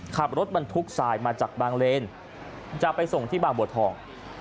ขับรถบรรทุกทรายมาจากบางเลนจะไปส่งที่บางบัวทอง